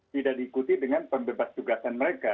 tidak diikuti dengan pembebas tugasan mereka